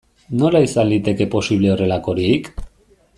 Nola izan liteke posible horrelakorik?